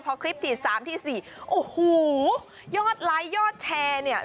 พอคลิปฉีด๓ที่๔โอ้โหยอดไลค์ยอดแชร์เนี่ย